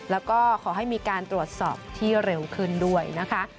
แล้วก็ขอให้มีการตรวจสอบที่เร็วขึ้นด้วยนะคะ